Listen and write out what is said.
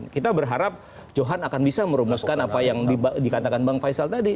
kita berharap johan akan bisa merumuskan apa yang dikatakan bang faisal tadi